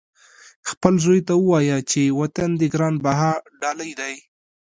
خپل زوی ته ووایه چې وطن دې ګران بها ډالۍ دی.